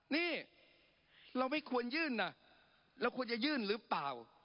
นี่เราไม่ควรยื่นนะเราควรจะยื่นหรือเปล่า